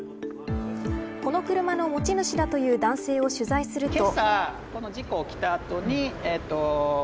この車の持ち主だという男性を取材すると。